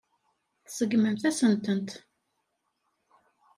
Tseggmem-asent-ten.